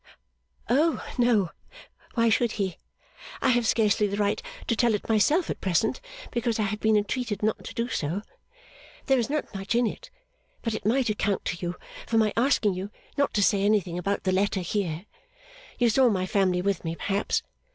'Oh no, why should he! I have scarcely the right to tell it myself at present, because I have been entreated not to do so. There is not much in it, but it might account to you for my asking you not to say anything about the letter here. You saw my family with me, perhaps?